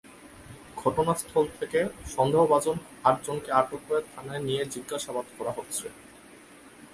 ঘটনাস্থল থেকে সন্দেহভাজন আটজনকে আটক করে থানায় নিয়ে জিজ্ঞাসাবাদ করা হচ্ছে।